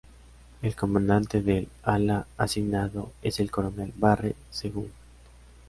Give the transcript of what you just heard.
El comandante del ala asignado es el Coronel Barre Seguin.